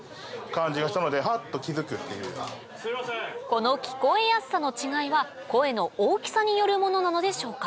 この聞こえやすさの違いは声の大きさによるものなのでしょうか？